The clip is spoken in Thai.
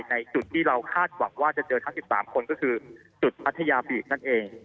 ในจุดที่เราคาดหวังว่าจะเจอทั้ง๑๓คนก็คือจุดพัทยาบีชนั่นเอง